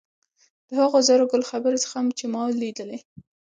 د هغو زرو ګل خبرو څخه چې ما ولیدلې.